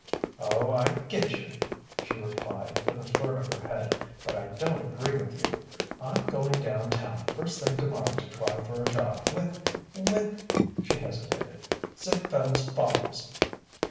"Oh, I get you," she replied, with a flirt of her head, "but I don't agree with you. I'm going down town first thing tomorrow to try for a job with with," she hesitated, "Ziegfield's Follies!"